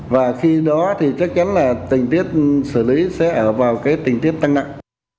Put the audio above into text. và khi đó thì chắc chắn là tình tiết xử lý sẽ ở vào cái tình tiết tăng nặng